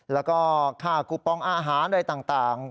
แล้วก็ค่าคูปองอาหารอะไรต่าง